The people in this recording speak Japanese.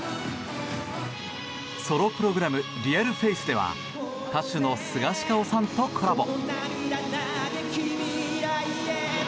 ソロプログラム「ＲｅａｌＦａｃｅ」では歌手のスガシカオさんとコラボ。